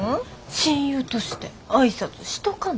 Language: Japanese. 親友として挨拶しとかな。